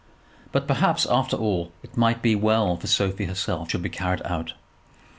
But, perhaps, after all, it might be well for Sophie herself that such sentence should be carried out.